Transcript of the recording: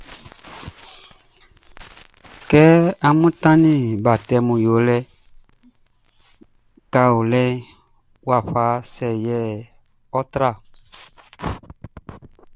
Sɛ amun tannin batɛmun yofuɛʼn kɛ ɔ fa kaolinʼn, wafa sɛ yɛ ɔ́ trán ɔn?